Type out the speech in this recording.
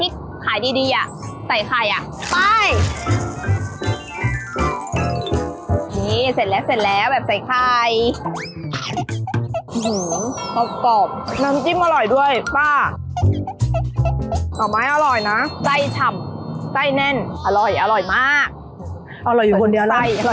อร่อยอยู่บนเดียวใส่อร่อยอยู่บนเดียว